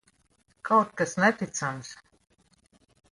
Kaut kas neticams.